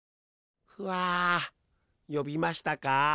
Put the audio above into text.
ふあよびましたか？